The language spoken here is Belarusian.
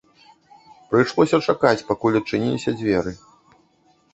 Прыйшлося чакаць, пакуль адчыніліся дзверы.